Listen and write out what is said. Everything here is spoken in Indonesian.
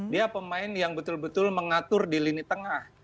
dia pemain yang betul betul mengatur di lini tengah